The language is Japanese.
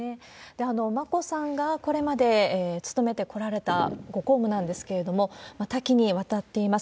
眞子さんがこれまで務めてこられたご公務なんですけれども、多岐にわたっています。